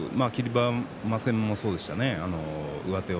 馬山戦もそうでしたね。